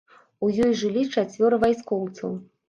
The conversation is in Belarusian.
У ёй жылі чацвёра вайскоўцаў.